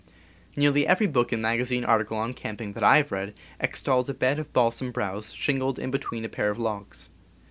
Nearly every book and magazine article on camping that I have read extols a bed of balsam browse shingled „„ in between a pair of logs.